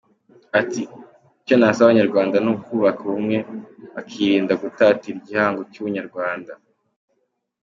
Ati “icyo nasaba Abanyarwanda ni ukubaka ubumwe bakirinda gutatira igihango cy’Ubunyarwanda”.